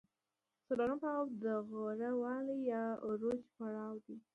څلورم پړاو د غوره والي یا عروج پړاو دی